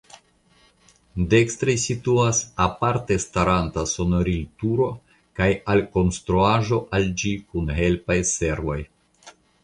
Dekstre situas aparte staranta sonorilturo kaj alkonstruaĵo al ĝi kun helpaj servoj.